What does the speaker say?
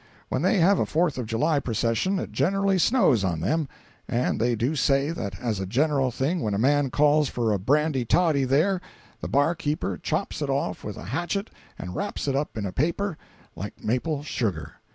When they have a Fourth of July procession it generally snows on them, and they do say that as a general thing when a man calls for a brandy toddy there, the bar keeper chops it off with a hatchet and wraps it up in a paper, like maple sugar.